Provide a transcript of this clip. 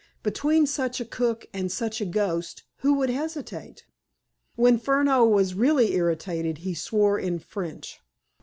Between such a cook and such a ghost, who would hesitate?" When Furneaux was really irritated, he swore in French.